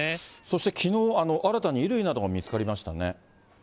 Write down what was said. そしてきのう、新たに衣類などが見つかりましたね。